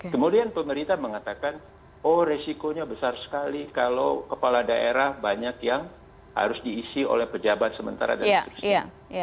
kemudian pemerintah mengatakan oh resikonya besar sekali kalau kepala daerah banyak yang harus diisi oleh pejabat sementara dan seterusnya